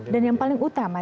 dan yang paling utama